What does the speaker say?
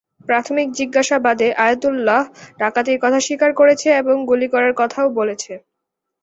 প্রাথমিক জিজ্ঞাসাবাদে আয়াতুল্লাহ ডাকাতির কথা স্বীকার করেছে এবং গুলি করার কথাও বলেছে।